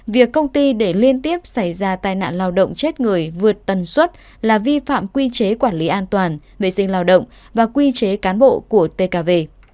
việc công ty để liên tiếp xảy ra tai nạn lao động chết người vượt tần suất là vi phạm quy chế quản lý an toàn vệ sinh lao động và quy chế cán bộ của tkv